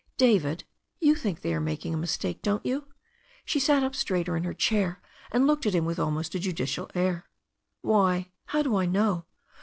"David, you think they are making a mistake, don't you ?" She sat up straighter in her chair, and looked at him with almost a judicial air. "Why, how do I know?